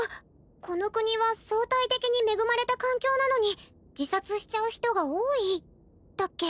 この国は相対的に恵まれた環境なのに自殺しちゃう人が多いだっけ？